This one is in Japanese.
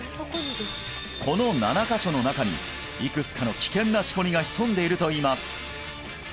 この７カ所の中にいくつかの危険なシコリが潜んでいるといいます